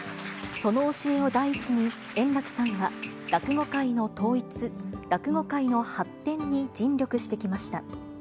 その教えを第一に、円楽さんは落語界の統一、落語界の発展に尽力してきました。